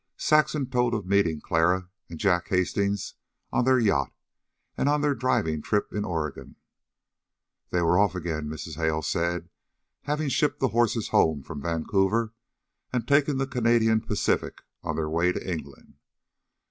Saxon told of meeting Clara and Jack Hastings on their yacht and on their driving trip in Oregon. They were off again, Mrs. Hale said, having shipped their horses home from Vancouver and taken the Canadian Pacific on their way to England.